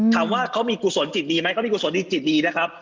ถามว่าเขามีกุศลจิตดีไหมเขามีกุศลดีจิตดีนะครับ